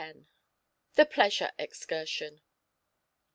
THE PLEASURE EXCURSION.